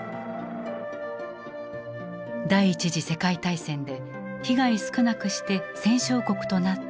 第一次世界大戦で被害少なくして戦勝国となった日本。